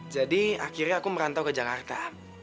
jadi akhirnya aku merantau ke jakarta